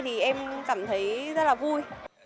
thì em cảm thấy rất là vui